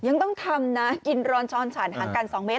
ยังต้องทำนะกินร้อนช้อนฉันห่างกัน๒เมตร